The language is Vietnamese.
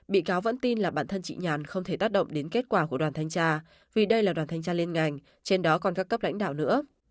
bị cáo vẫn tin là bản thân chị nhàn không thể tác động đến kết quả của đoàn thanh tra vì đây là đoàn thanh tra liên ngành trên đó còn các cấp lãnh đạo nữa